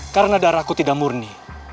karena darahku tidak murni